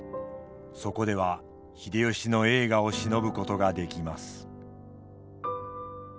そこでは秀吉の栄華をしのぶことができます。